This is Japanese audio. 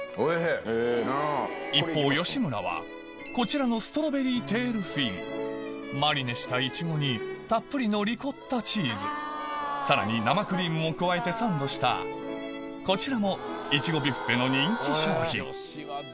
一方吉村はこちらのマリネしたいちごにたっぷりのリコッタチーズさらに生クリームを加えてサンドしたこちらもいちごビュッフェの人気商品